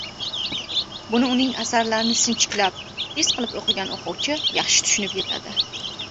Buni uning asarlarini sinchiklab, his qilib o‘qigan o‘quvchi yaxshi tushunib yetadi.